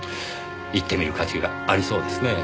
行ってみる価値がありそうですねぇ。